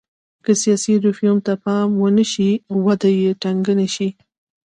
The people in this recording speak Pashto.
که سیاسي ریفورم ته پام ونه شي وده یې ټکنۍ شي.